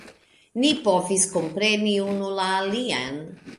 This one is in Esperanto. Ni povis kompreni unu la alian.